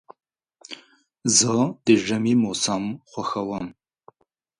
زه د ژمي موسم خوښوم.